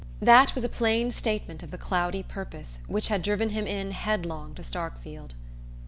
That was a plain statement of the cloudy purpose which had driven him in headlong to Starkfield.